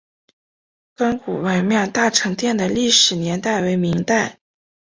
甘谷文庙大成殿的历史年代为明代。